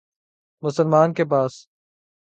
مسلمان کے پاس